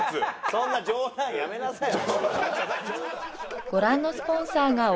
そんな冗談やめなさいよ。